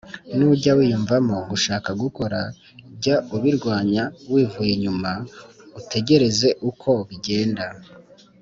Nujya wiyumvamo gushaka gukora, jya ubirwanya wivuye inyuma utegereze uko bigenda